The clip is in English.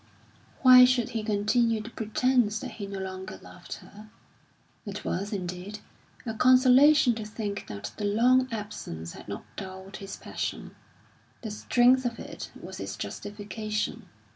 Why should he continue the pretence that he no longer loved her? It was, indeed, a consolation to think that the long absence had not dulled his passion; the strength of it was its justification.